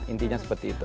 intinya seperti itu